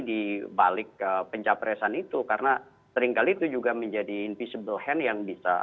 di balik pencapresan itu karena seringkali itu juga menjadi invisible hand yang bisa